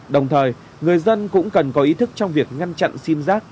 đồng thời người dân cũng cần có ý thức trong việc ngăn chặn sim giác